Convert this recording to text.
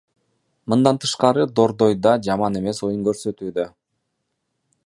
Мындан тышкары, Дордой да жаман эмес оюн көрсөтүүдө.